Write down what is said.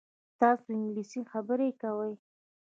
تاسو انګلیسي خبرې کوئ؟